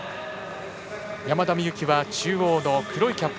山田美幸は中央の黒いキャップ。